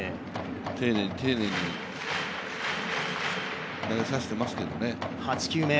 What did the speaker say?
丁寧に丁寧に投げさせてますけどね。